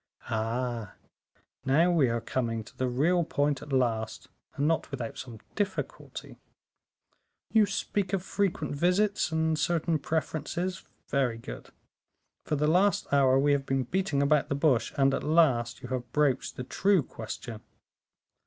"Ah! now we are coming to the real point at last, and not without some difficulty. You speak of frequent visits, and certain preferences very good; for the last hour we have been beating about the bush, and at last you have broached the true question."